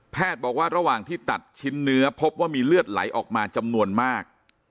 บอกว่าระหว่างที่ตัดชิ้นเนื้อพบว่ามีเลือดไหลออกมาจำนวนมาก